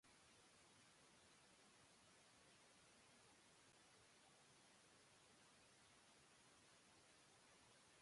জনসাধারণের কাছে ছাত্রদের দুর্নাম করা হয়েছিল।